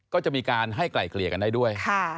ก็จะมีการให้ไกลเกลี่ยกันได้ด้วย